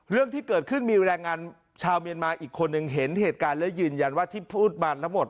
เรื่องที่เกิดขึ้นมีแรงงานชาวเมียนมาอีกคนนึงเห็นเหตุการณ์และยืนยันว่าที่พูดมาทั้งหมด